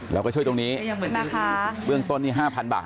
เราก็ช่วยตรงนี้เรื่องต้นนี้๕๐๐๐บาท